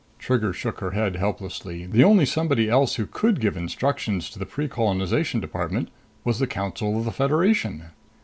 Trigger shook her head helplessly. The only somebody else who could give instructions to the Precolonization Department was the Council of the Federation!